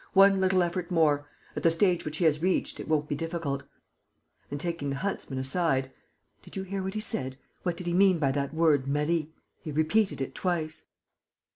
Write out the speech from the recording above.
One little effort more. At the stage which he has reached, it won't be difficult." And, taking the huntsman aside, "Did you hear what he said? What did he mean by that word, 'Marie'? He repeated it twice."